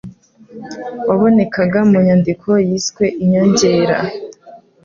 wabonekaga mu nyandiko yiswe Inyongera